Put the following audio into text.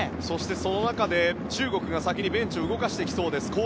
そして、その中で中国が先にベンチを動かしてきそうです。